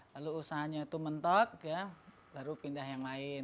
lalu usahanya itu mentok baru pindah yang lain